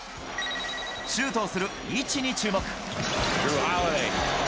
シュートをする位置に注目。